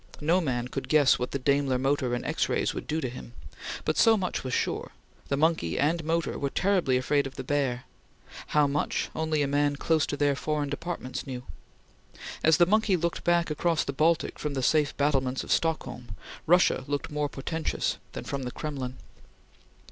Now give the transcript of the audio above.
No man could guess what the Daimler motor and X rays would do to him; but so much was sure; the monkey and motor were terribly afraid of the bear; how much, only a man close to their foreign departments knew. As the monkey looked back across the Baltic from the safe battlements of Stockholm, Russia looked more portentous than from the Kremlin.